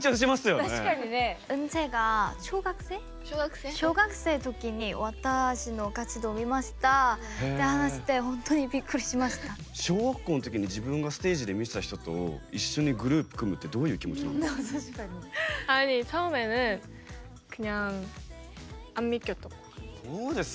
確かにね。小学生。って話して小学校の時に自分がステージで見てた人と一緒にグループ組むってどういう気持ちなんですか？